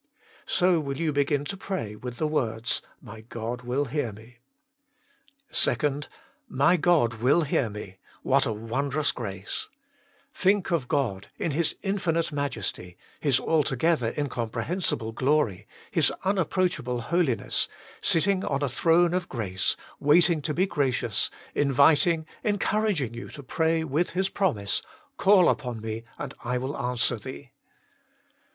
So will you begin to pray with the words, " My God will hear me !" 2. " My God will hear me" What a wondrous grace ! Think of God iii His infinite majesty, His altogether incomprehensible glory, His unapproach able holiness, sitting on a throne of grace, waiting to be gracious, inviting, encouraging you to pray with His promise :" Call upon Me, and I will answer thee."